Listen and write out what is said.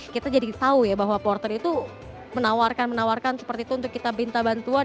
kita jadi tahu ya bahwa porter itu menawarkan menawarkan seperti itu untuk kita minta bantuan